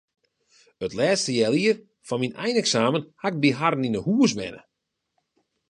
It lêste healjier foar myn eineksamen haw ik by harren yn 'e hûs wenne.